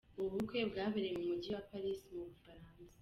Ubu bukwe bwabereye mu Mujyi wa Paris mu Bufaransa.